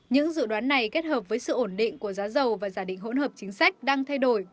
những dự đoán này kết hợp với sự ổn định của giá dầu và giả định hỗn hợp chính sách đang thay đổi